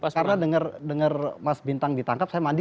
karena dengar mas bintang ditangkap saya mandi